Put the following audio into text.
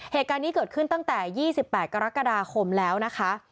เหตุการณ์นี้เกิดขึ้นตั้งแต่๒๘กรกฎาคมแล้วนะคะ